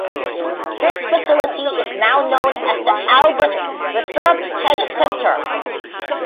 This facility is now known as the Albert Reserve Tennis Centre.